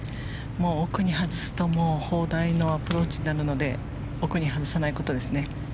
奥に外すと砲台のアプローチになるので奥に外さないことですね。